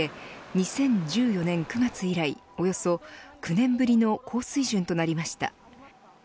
２０１４年９月以来およそ９年ぶりの高水準となりました。